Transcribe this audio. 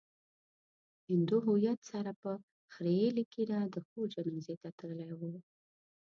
هندو هويت سره په خريلې ږيره د خور جنازې ته تللی و.